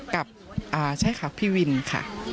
กับใช่ค่ะพี่วินค่ะ